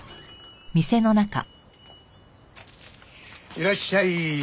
いらっしゃい。